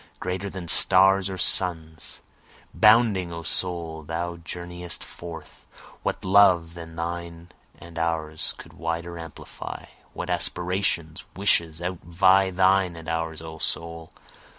Greater than stars or suns, Bounding O soul thou journeyest forth; What love than thine and ours could wider amplify? What aspirations, wishes, outvie thine and ours O soul?